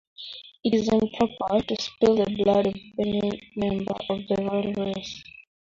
It is improper to spill the blood of any member of the royal race.